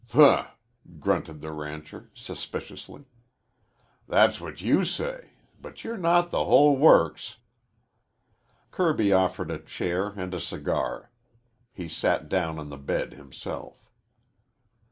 "Hmp!" grunted the rancher suspiciously. "That's what you say, but you're not the whole works." Kirby offered a chair and a cigar. He sat down on the bed himself.